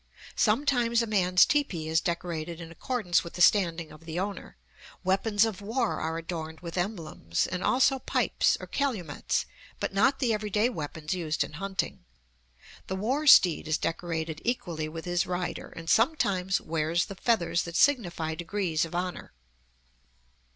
Sometimes a man's teepee is decorated in accordance with the standing of the owner. Weapons of war are adorned with emblems, and also pipes, or calumets, but not the every day weapons used in hunting. The war steed is decorated equally with his rider, and sometimes wears the feathers that signify degrees of honor.